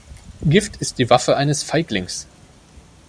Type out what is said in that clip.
Gift ist die Waffe eines Feiglings.